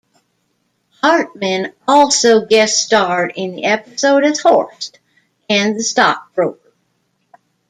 Hartman also guest-starred in the episode as Horst and the stockbroker.